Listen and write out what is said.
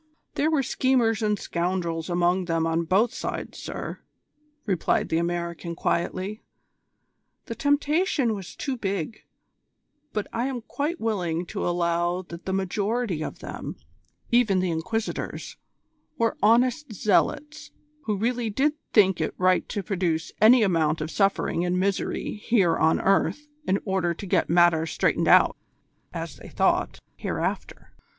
"There were schemers and scoundrels among them on both sides, sir," replied the American quietly. "The temptation was too big; but I am quite willing to allow that the majority of them, even the Inquisitors, were honest zealots who really did think it right to produce any amount of suffering and misery here on earth in order to get matters straightened out, as they thought, hereafter.